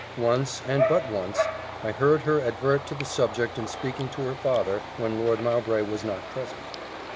Once, and but once, I heard her advert to the subject in speaking to her father, when Lord Mowbray was not present.